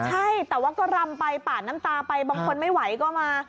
ใช่แต่ว่าก็รำไปปาดน้ำตาไปบางคนไม่ไหวก็มา